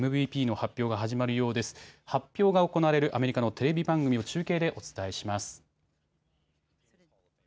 発表が行われるアメリカのテレビ番組を中継でお伝えします。